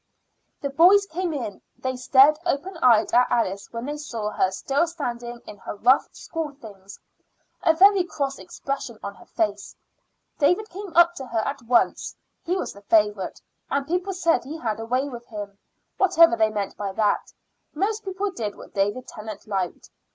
The boys came in. They stared open eyed at Alice when they saw her still sitting in her rough school things, a very cross expression on her face. David came up to her at once; he was the favorite, and people said he had a way with him. Whatever they meant by that, most people did what David Tennant liked.